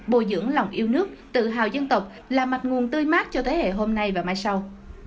bồi dưỡng lòng yêu nước tự hào dân tộc là mạch nguồn tươi mát cho thế hệ hôm nay và mai sau